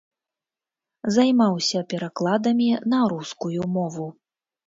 Займаўся перакладамі на рускую мову.